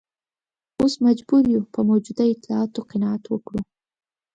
اوس مجبور یو په موجودو اطلاعاتو قناعت وکړو.